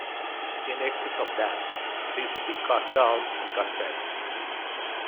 In excess of that, it is to be cut down and confessed.